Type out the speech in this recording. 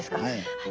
はい。